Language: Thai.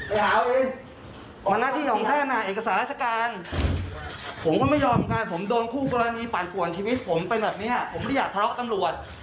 อย่าเอาเองมันหน้าที่ของท่านอ่ะเอกสารราชการผมก็ไม่ยอมกันผมโดนคู่กรณีปั่นป่วนชีวิตผมเป็นแบบนี้ผมไม่ได้อยากทะเลาะตำรวจ